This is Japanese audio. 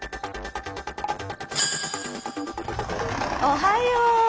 おはよう。